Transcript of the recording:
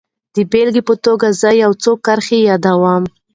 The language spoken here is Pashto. د بېلګې په توګه زه يې يو څو کرښې يادوم.